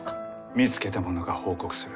見つけた者が報告する。